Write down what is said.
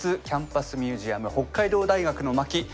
キャンパンス・ミュージアム北海道大学の巻」